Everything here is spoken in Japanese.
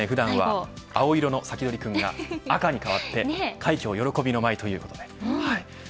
普段は青色のサキドリくんが赤に変わって快挙喜びの舞という。